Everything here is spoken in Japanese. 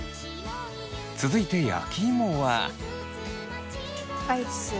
続いて焼きいもは。